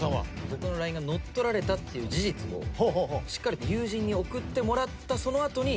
僕のＬＩＮＥが乗っ取られたっていう事実をしっかりと友人に送ってもらったその後に。